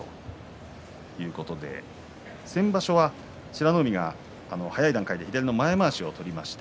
先場所は美ノ海が早い段階で前まわしを取りました。